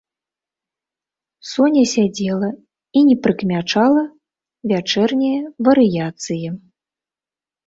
Соня сядзела і не прыкмячала вячэрняе варыяцыі.